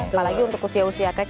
apalagi untuk usia usia kecil